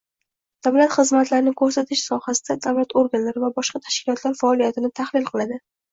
davlat xizmatlarini ko’rsatish sohasida davlat organlari va boshqa tashkilotlar faoliyatini tahlil qiladi.